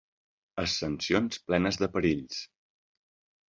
Ascensions plenes de perills.